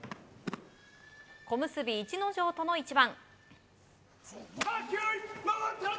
小結・逸ノ城との一番。